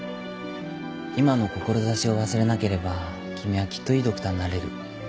今の志を忘れなければ君はきっといいドクターになれる。